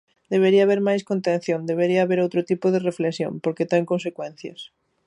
Debería haber máis contención, debería haber outro tipo de reflexión, porque ten consecuencias.